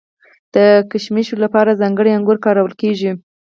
د کشمشو لپاره ځانګړي انګور کارول کیږي.